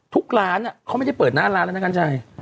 ทุกร้านมันไม่ได้เปิดหน้าร้านแล้วกันใช่ไหม